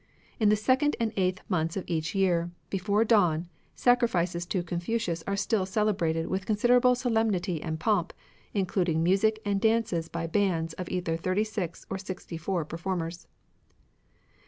In the second and eighth months of each year, before dawn, sacrifices to Confucius are still celebrated with considerable solemnity and pomp, including music and dances by bands of either thirty six or sixty four performers.